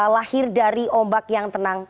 lahir dari ombak yang tenang